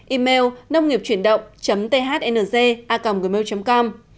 email nông nghiệpchuyểnđộng thng a gmail com